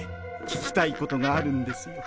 聞きたいことがあるんですよ。